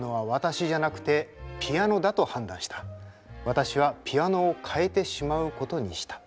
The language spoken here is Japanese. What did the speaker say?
私はピアノを変えてしまうことにした。